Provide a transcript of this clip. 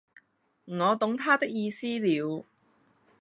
我懂得他的意思了，